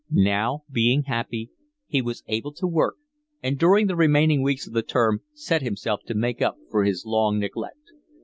Now, being happy, he was able to work, and during the remaining weeks of the term set himself to make up for his long neglect.